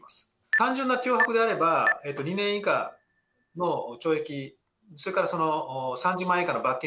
単純な脅迫であれば、２年以下の懲役、それからその３０万円以下の罰金。